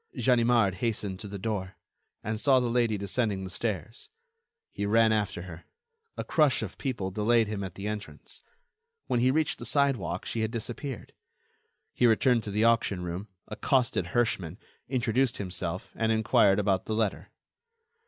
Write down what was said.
Ganimard hastened to the door, and saw the lady descending the stairs. He ran after her. A crush of people delayed him at the entrance. When he reached the sidewalk, she had disappeared. He returned to the auction room, accosted Herschmann, introduced himself, and enquired about the letter.